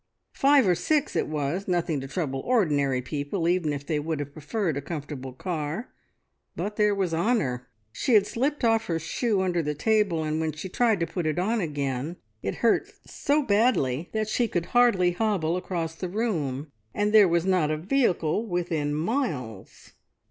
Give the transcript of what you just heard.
Five or six it was, nothing to trouble ordinary people, even if they would have preferred a comfortable car, but there was Honor! She had slipped off her shoe under the table, and when she tried to put it on again it hurt so badly that she could hardly hobble across the room, and there was not a vehicle within miles.